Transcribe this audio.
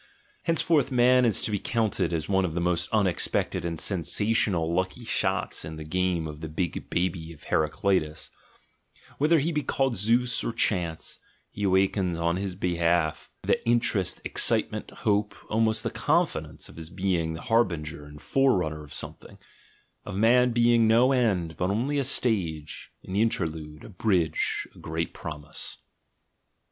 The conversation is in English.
Hence forth man is to be counted as one of the most unexpected and sensational lucky shots in the game of the "big baby" of Heracleitus, whether he be called Zeus or Chance — he awakens on his behalf the interest, excitement, hope, al most the confidence, of his being the harbinger and fore runner of something, of man being no end, but only a stage, an interlude, a bridge, a great promise.